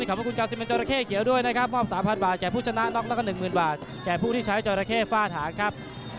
ลงไปนอนอยู่ข้างล่างครับ